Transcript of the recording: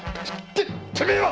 てめえは！